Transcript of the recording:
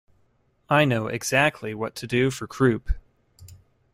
I know exactly what to do for croup.